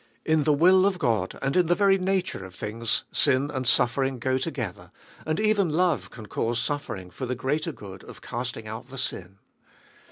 In the will of God, and in the very nature of things, sin and suffering go together, and even love can cause suffering for the greater good of casting out the sin.